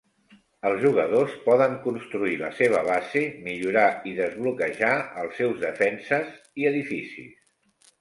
Els jugadors poden construir la seva base, millorar i desbloquejar els seus defenses i edificis.